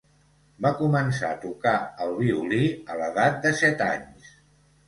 Va començar a tocar el violí a l'edat de set anys.